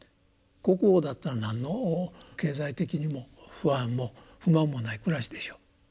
国王だったら何の経済的にも不安も不満もない暮らしでしょう。